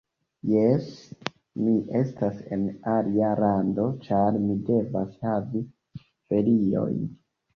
Jes, mi estas en alia lando ĉar mi devas havi feriojn